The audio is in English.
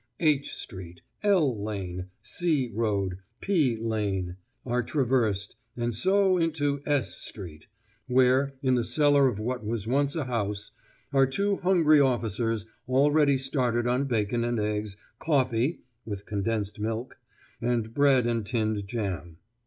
'H Street,' 'L Lane,' 'C Road,' 'P Lane' are traversed, and so into 'S Street,' where, in the cellar of what was once a house, are two hungry officers already started on bacon and eggs, coffee (with condensed milk), and bread and tinned jam.